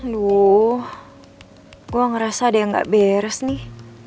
loh gue ngerasa ada yang gak beres nih